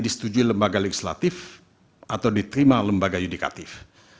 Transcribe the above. disetujui lembaga legislatif atau diterima lembaga yudikatif